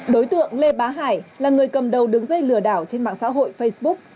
đối tượng lê bá hải là người cầm đầu đường dây lừa đảo trên mạng xã hội facebook